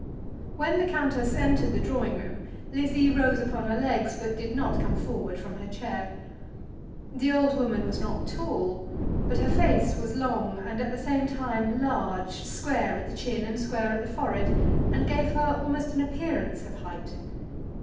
When the countess entered the drawing room Lizzie rose upon her legs, but did not come forward from her chair. The old woman was not tall; but her face was long, and at the same time large, square at the chin and square at the forehead, and gave her almost an appearance of height.